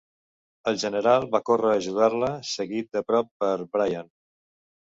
El general va córrer a ajudar-la, seguit de prop per Briant.